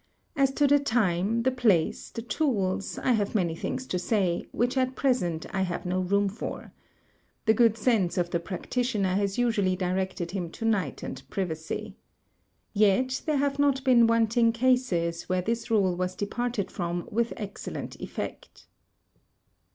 As to the time, the place, the tools, I have many things to say, which at present I have no room for. The good sense of the practitioner has usually directed him to night and privacy. Yet there have not been wanting cases where this rule was departed from with excellent effect."